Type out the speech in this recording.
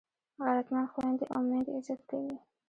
غیرتمند خویندي او میندې عزت کوي